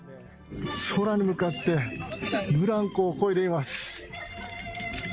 空に向かって、ブランコをこいでいます。